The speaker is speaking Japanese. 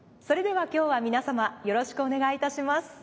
それでは今日は皆様よろしくお願いいたします。